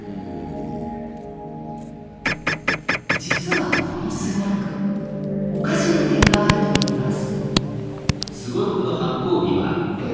実はこのすごろくおかしな点があるといいます。